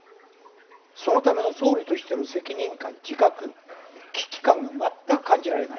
そのための総理としての責任感、自覚、危機感が全く感じられない。